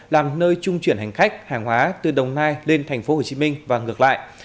làm nơi trung chuyển hành khách hàng hóa từ đồng nai lên thành phố hồ chí minh và ngược lại